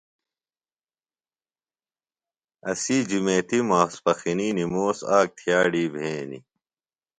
اسی جُمیتیۡ ماسپخنی نِموس آک تھئاڈی بھینیۡ۔